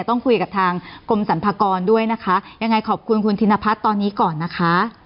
ต้องคุยกับทางกรมสรรพากรด้วยนะคะยังไงขอบคุณคุณธินพัฒน์ตอนนี้ก่อนนะคะ